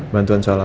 bantuan soal apa